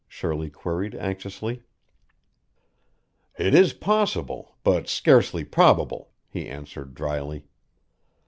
Shirley queried anxiously. "It is possible, but scarcely probable," he answered dryly.